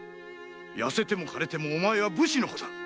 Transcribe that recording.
痩せても枯れてもお前は武士の子だ！